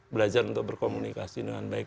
belajar untuk berkomunikasi dengan baik